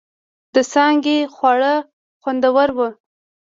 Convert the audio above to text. د څانگې خواړه خوندور و.